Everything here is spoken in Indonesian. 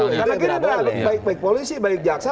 karena gini baik polisi baik jaksa